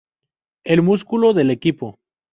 El músculo del equipo.